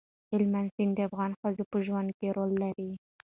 هلمند سیند د افغان ښځو په ژوند کې رول لري.